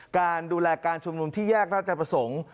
การดูแลการชุมนุมที่แยกราชประสงค์